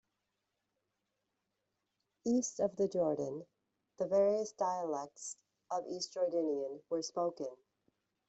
East of the Jordan, the various dialects of East Jordanian were spoken.